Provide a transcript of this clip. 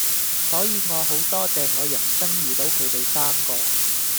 所以我好多謝我人生遇到佢哋三個⠀